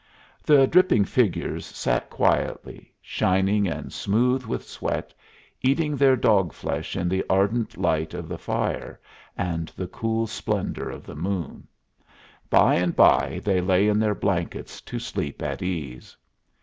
The dripping figures sat quietly, shining and smooth with sweat, eating their dog flesh in the ardent light of the fire and the cool splendor of the moon. By and by they lay in their blankets to sleep at ease.